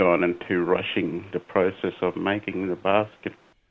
atau mereka hanya berusaha untuk membuat bakar